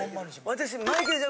私。